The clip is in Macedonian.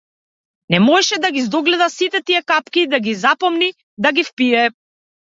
Не можеше да ги здогледа сите тие капки, да ги запомни, да ги впие.